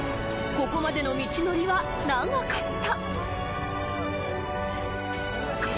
ここまでの道のりは長かった。